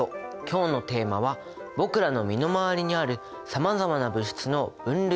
今日のテーマは僕らの身の回りにあるさまざまな物質の分類について。